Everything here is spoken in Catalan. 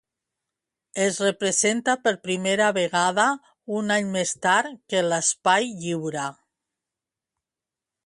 Es representa per primera vegada un any més tard que l'Espai Lliure.